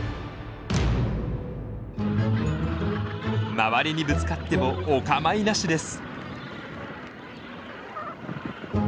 周りにぶつかってもお構いなしです。